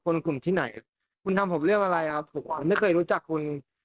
กลุ่มที่ไหนคุณทำผมเรื่องอะไรครับผมไม่เคยรู้จักคุณ